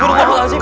aduh gak mau azim